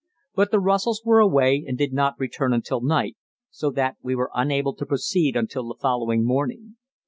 But the Russells were away and did not return until night, so that we were unable to proceed until the following morning.